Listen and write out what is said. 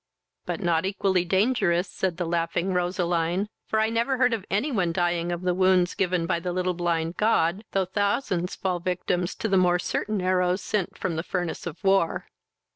"But not equally dangerous, (said the laughing Roseline;) for I never heard of any one dying of the wounds given by the little blind god, though thousands fall victims to the more certain arrows sent from the furnace of war."